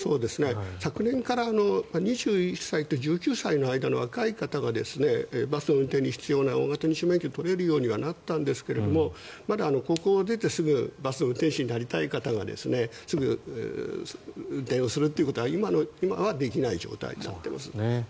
昨年から２１歳と１９歳の間の若い方が、バスの運転に必要な大型二種免許を取れるようにはなったんですがまだ高校を出てすぐバスの運転手になりたい方がすぐ運転をするということは今はできない状態になっています。